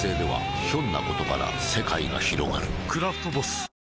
「クラフトボス」